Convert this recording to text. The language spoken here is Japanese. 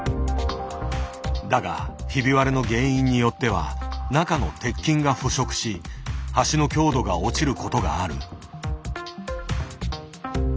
だがひび割れの原因によっては中の鉄筋が腐食し橋の強度が落ちることがある。